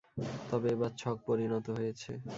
তবে এবার, ছক পরিণত হয়েছে।